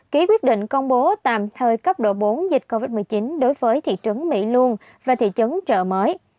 ký quyết định công bố tạm thời cấp độ bốn dịch covid một mươi chín đối với thị trấn mỹ luông và thị trấn trợ mới